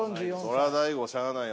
そりゃ大悟しゃあないよ